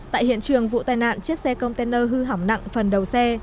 tại hiện trường vụ tai nạn chiếc xe container hư hỏng nặng phần đầu xe